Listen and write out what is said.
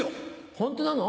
ホントなの？